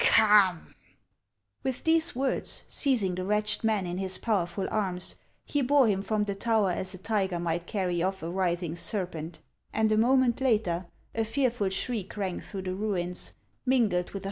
Come !' With these words, seizing the wretched man in his powerful arms, he bore him from the tower as a tiger might carry off a writhing serpent, and a moment later a fearful shriek rang through the ruins, mingled with a.